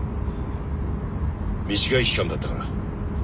短い期間だったから。